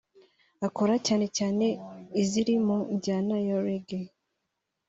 akora cyane cyane iziri mu njyana ya Reggae